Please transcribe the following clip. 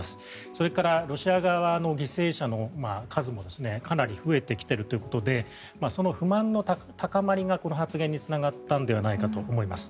それから、ロシア側は犠牲者の数もかなり増えてきているということでその不満の高まりがこの発言につながったんじゃないかと思います。